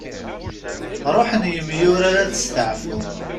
Ruḥen yemyurar ad steɛfun.